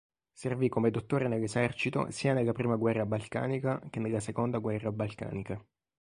Servì come dottore nell'esercito sia nella prima guerra balcanica che nella seconda guerra balcanica.